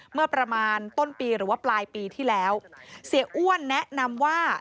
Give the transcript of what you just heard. เมื่อประมาณต้นปีหรือว่าปลายปีที่แล้วเสียอ้วนแนะนำว่า